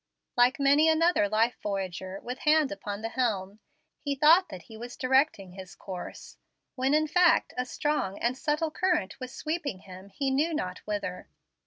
Like many another life voyager, with hand upon the helm, he thought that he was directing his course, when in feet a strong and subtile current was sweeping him he not whither.